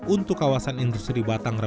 untuk kawasan industri batang rabun raya